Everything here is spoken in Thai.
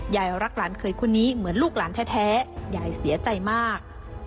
ยายรักหลานเคยคนนี้เหมือนลูกหลานแท้ยายเสียใจมาก